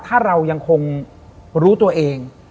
ถ้าเรายังคงรู้ตัวเอง